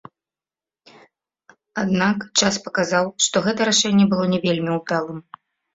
Аднак час паказаў, што гэта рашэнне было не вельмі ўдалым.